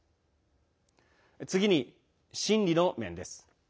次に心理の面です。